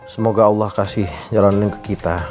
semoga allah kasih jalanan ke kita